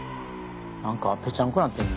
何かぺちゃんこになってんね。